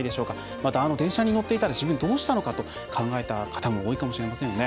また、あの電車に乗っていたら自分はどうしたのかと考えた方も多いかもしれませんよね。